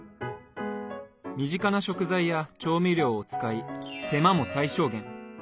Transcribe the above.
身近な食材や調味料を使い手間も最小限。